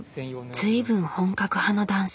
随分本格派の男性。